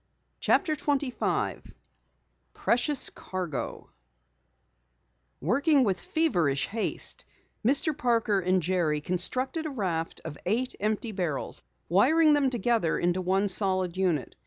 CHAPTER 25 PRECIOUS CARGO Working with feverish haste, Mr. Parker and Jerry constructed a raft of eight empty barrels, wiring them together into one solid unit.